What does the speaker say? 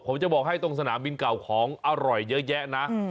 ผมจะบอกให้ตรงสนามบินเก่าของอร่อยเยอะแยะนะ